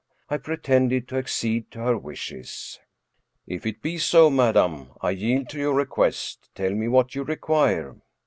I pretended to accede to her wishes. "If it be so, madam I yield to your request. Tell me what you require."